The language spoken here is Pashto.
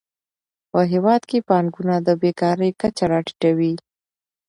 په هیواد کې پانګونه د بېکارۍ کچه راټیټوي.